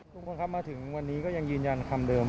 ทุกคนครับมาถึงวันนี้ก็ยังยืนยันคำเดิม